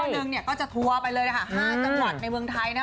แล้วนี่ก็จะทัวร์ไปเลยนะคะห้าจังหวัดในเมืองไทยนะ